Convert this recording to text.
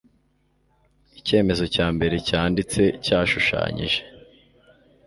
Icyemezo cya mbere cyanditse cyashushanyije